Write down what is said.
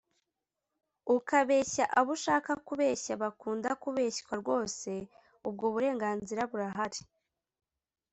ukabeshya abo ushaka kubeshya bakunda kubeshywa rwose ubwo burenganzira burahari